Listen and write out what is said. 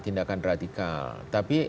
tindakan radikal tapi